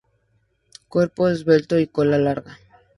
Cuerpo esbelto y cola larga.